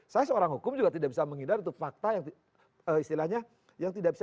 saya seorang hukum juga tidak bisa menghindar itu fakta yang istilahnya yang tidak bisa